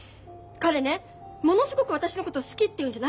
彼ねものすごく私のこと好きっていうんじゃないと思うの。